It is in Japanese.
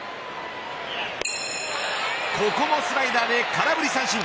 ここもスライダーで空振り三振。